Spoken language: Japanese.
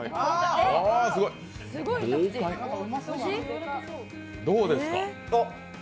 豪快、どうですか？